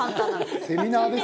「セミナーですか？」